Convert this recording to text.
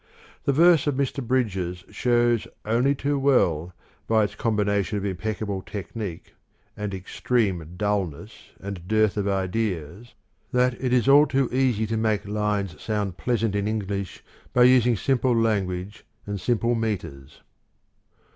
The verse of Mr. Bridges 1 shows only too well by its combination of impeccable technique and extreme dullness and dearth of ideas, that it is all too easy to make lines sound pleasant in English by using simple language and simple metres.